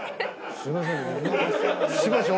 すいませんね。